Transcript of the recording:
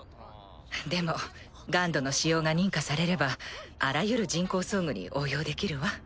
でもＧＵＮＤの使用が認可されればあらゆる人工装具に応用できるわ。